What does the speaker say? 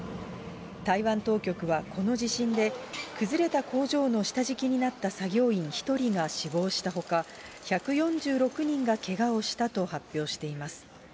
台湾当局はこの地震で、崩れた工場の下敷きになった作業員１人が死亡したほか、１４６人がけがをしたと発表しています。